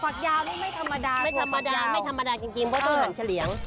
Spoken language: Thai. ยาวนี่ไม่ธรรมดาไม่ธรรมดาไม่ธรรมดาจริงเพราะต้องหันเฉลี่ยง